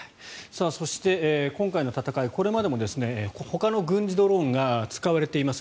そして、今回の戦いはこれまでもほかの軍事ドローンが使われています。